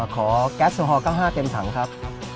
ขอแก๊สฮ๙๕เต็มถังครับ